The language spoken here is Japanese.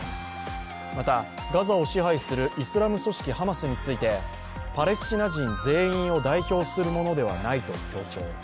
また、ガザを支配するイスラム組織ハマスについてパレスチナ人全員を代表するものではないと強調。